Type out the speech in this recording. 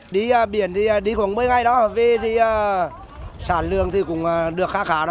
đi biển thì đi khoảng một mươi ngày đó về thì sản lượng thì cũng được khá khá